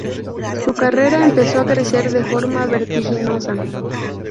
Su carrera empezó a crecer de forma vertiginosa.